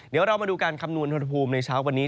เดี๋ยวเรามาดูการคำนวณอุณหภูมิในเช้าวันนี้